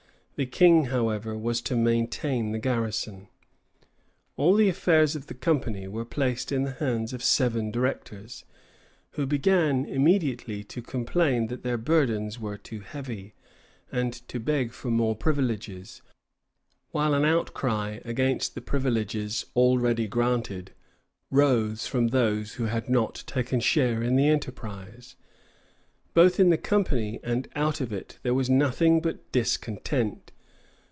The King, however, was to maintain the garrison. All the affairs of the company were placed in the hands of seven directors, who began immediately to complain that their burdens were too heavy, and to beg for more privileges; while an outcry against the privileges already granted rose from those who had not taken shares in the enterprise. Both in the company and out of it there was nothing but discontent.